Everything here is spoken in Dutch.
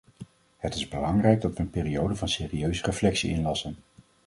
Het is belangrijk dat we een periode van serieuze reflectie inlassen.